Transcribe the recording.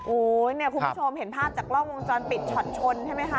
โอ้โหเนี่ยคุณผู้ชมเห็นภาพจากกล้องวงจรปิดช็อตชนใช่ไหมคะ